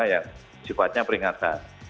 yang sifatnya peringatan